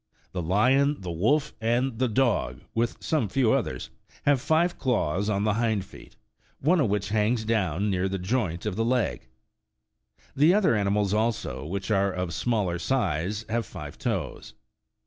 The lion, the wolf, and the dog, with some few others, have five claws on the hind feet, one of which hangs down near the joint of the leg. The other animals, also, which are of smaller size, have five toes.